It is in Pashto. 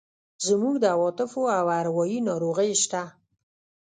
زموږ د عواطفو او اروایي ناروغۍ شته.